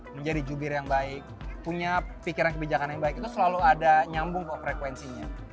menjadi jubir yang baik punya pikiran kebijakan yang baik itu selalu ada nyambung kok frekuensinya